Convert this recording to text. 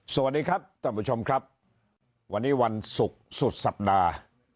สวัสดีครับท่านผู้ชมครับวันนี้วันศุกร์สุดสัปดาห์